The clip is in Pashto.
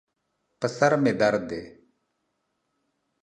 په سر مې درد دی